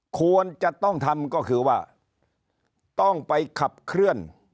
ควรจะต้องทำก็คือว่าต้องไปขับเคลื่อน